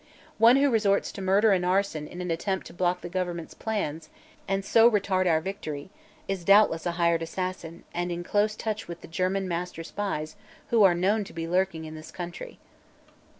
One who resorts to murder and arson in an attempt to block the government's plans, and so retard our victory, is doubtless a hired assassin and in close touch with the German master spies who are known to be lurking in this country."